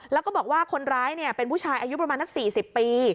แล้วก็บอกว่าคนร้ายเป็นผู้ชายอายุประมาณนัก๔๐ปี